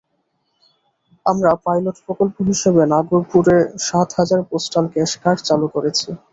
আমরা পাইলট প্রকল্প হিসেবে নাগরপুরে সাত হাজার পোস্টাল ক্যাশ কার্ড চালু করেছি।